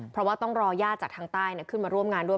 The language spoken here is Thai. เพราะว่าต้องรอญาติจากทางใต้ขึ้นมาร่วมงานด้วย